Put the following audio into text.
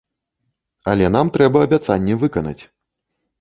Але нам трэба абяцанне выканаць.